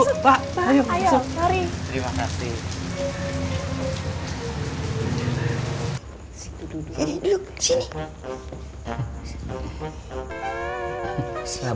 kita datang kesini mau ngucapin selamat